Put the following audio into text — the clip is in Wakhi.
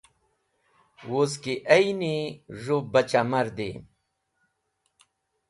Wuz ki ayni z̃hũ bachahmardi.